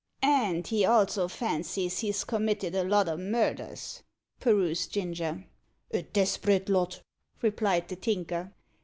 "And he also fancies he's committed a lot o' murders?" perused Ginger. "A desperate lot," replied the Tinker.